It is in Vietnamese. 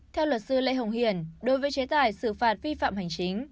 theo luật sư lê hồng hiền đối với chế tài xử phạt vi phạm hành chính